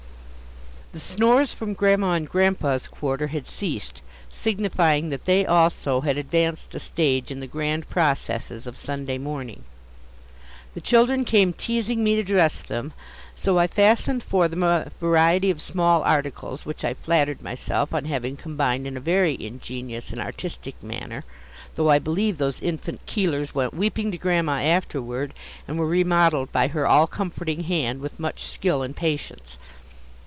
The snores from Grandma and Grandpa's quarter had ceased, signifying that they, also, had advanced a stage in the grand processes of Sunday morning. The children came teasing me to dress them, so I fastened for them a variety of small articles which I flattered myself on having combined in a very ingenious and artistic manner, though I believe those infant Keelers went weeping to Grandma afterward, and were remodeled by her all comforting hand with much skill and patience.